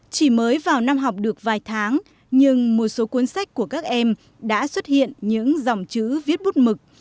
chỉ mới vào năm học được vài tháng nhưng một số cuốn sách của các em đã xuất hiện những dòng chữ viết bút mực